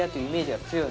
はい。